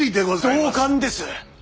同感です。